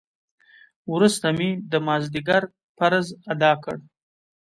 وروسته مې د مازديګر فرض ادا کړ.